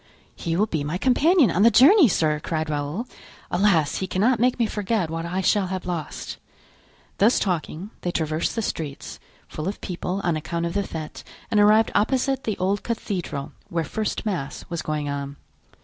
"He will be my companion on the journey, sir," cried Raoul. "Alas! he cannot make me forget what I shall have lost!" Thus talking, they traversed the streets, full of people on account of the fete, and arrived opposite the old cathedral, where first mass was going on.